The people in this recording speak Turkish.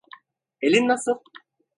Elin nasıl?